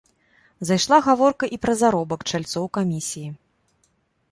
Зайшла гаворка і пра заробак чальцоў камісій.